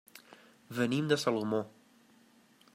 Venim de Salomó.